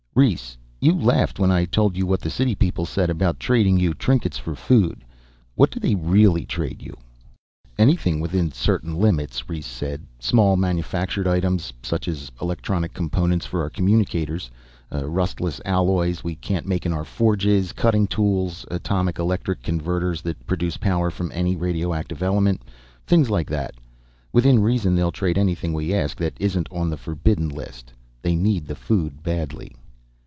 "Rhes, you laughed when I told you what the city people said, about trading you trinkets for food. What do they really trade you?" "Anything within certain limits," Rhes said. "Small manufactured items, such as electronic components for our communicators. Rustless alloys we can't make in our forges, cutting tools, atomic electric converters that produce power from any radioactive element. Things like that. Within reason they'll trade anything we ask that isn't on the forbidden list. They need the food badly."